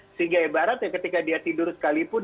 sehingga ibaratnya ketika dia tidur sekalipun